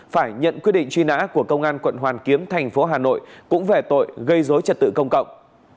phải nhận quyết định truy nã của công an quận hoàn kiếm thành phố hà nội cũng về tội gây dối trật tự công cộng